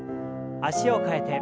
脚を替えて。